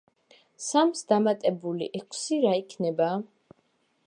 სამს დამატებული ექვსი რა იქნება?